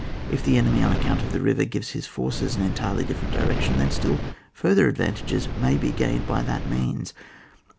If the enemy, on account of the river, gives his forces an entirely different direction, then still further advantages may be gained by that means.